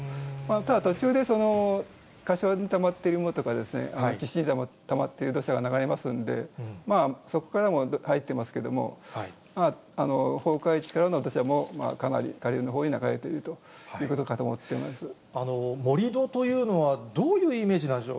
ただ、途中で、多少にたまっているものとかですね、にたまっている土砂が流れますので、そこからも入っていますけれども、崩壊の力としても、かなり下流のほうに流れていると盛り土というのは、どういうイメージなんでしょう。